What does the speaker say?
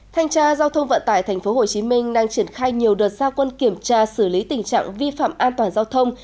thanh tra giao thông vận tải tp hcm đang triển khai nhiều đợt gia quân kiểm tra xử lý tình trạng vi phạm an toàn giao thông